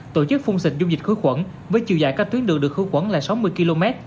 tổ chức phun xịt dung dịch khứa quẩn với chiều dài các tuyến đường được khứa quẩn là sáu mươi km